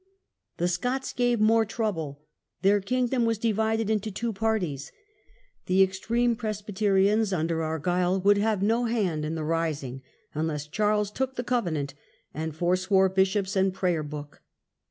The Scots gave more trouble. Their kingdom was divided into two parties: the extreme Presbyterians under Argyle would have no hand in the rising unless Charles took the Covenant and forswore Bishops and Prayer book.